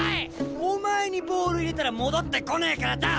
お前にボール入れたら戻ってこねえからだ！